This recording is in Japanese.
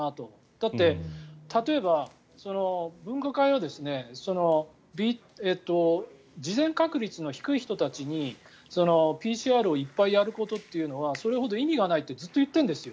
だって、例えば分科会は事前確率の低い人たちにＰＣＲをいっぱいやることはそれほど意味がないってずっと言ってるんですよ。